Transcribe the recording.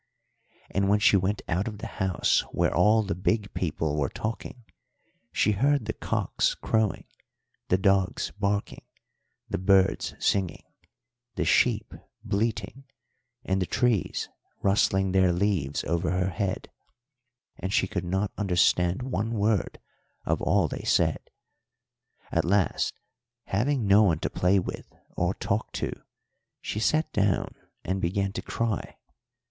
And when she went out of the house where all the big people were talking, she heard the cocks crowing, the dogs barking, the birds singing, the sheep bleating, and the trees rustling their leaves over her head, and she could not understand one word of all they said. At last, having no one to play with or talk to, she sat down and began to cry.